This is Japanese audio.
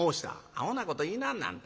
「アホなこと言いなはんなあんた。